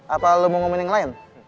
atau lu mau ngomongin yang lain